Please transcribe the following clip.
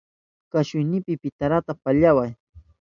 Kashuynipi ipitarata pallaway.